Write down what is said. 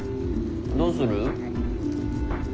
どうする？